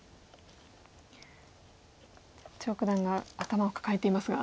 張九段が頭を抱えていますが。